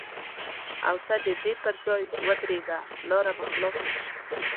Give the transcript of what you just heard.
او ته د دې پر ځای ودرېږه لاره به خلاصه شي.